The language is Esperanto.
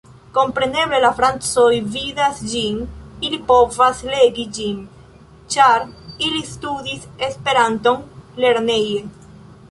Kompreneble, la francoj vidas ĝin, ili povas legi ĝin, ĉar ili studis Esperanton lerneje.